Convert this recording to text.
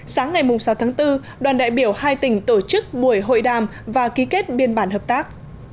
sáng ngày sáu tháng bốn đoàn đại biểu hai tỉnh tổ chức buổi hội đàm và ký kết biên bản hợp tác